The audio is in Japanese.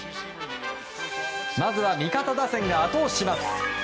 まずは味方打線が後押しします。